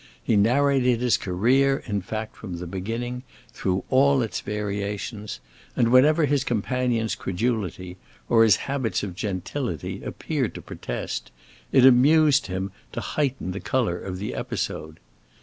He narrated his career, in fact, from the beginning, through all its variations, and whenever his companion's credulity, or his habits of gentility, appeared to protest, it amused him to heighten the color of the episode.